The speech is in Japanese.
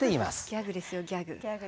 ギャグですよギャグ。